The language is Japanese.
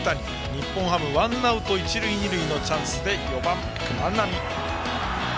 日本ハム、ワンアウト一塁二塁のチャンスで４番、万波。